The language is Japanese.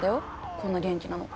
こんな元気なの。